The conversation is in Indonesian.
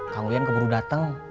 kang uyan keburu dateng